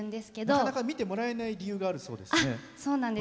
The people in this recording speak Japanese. なかなか見てもらえない理由があるそうですね。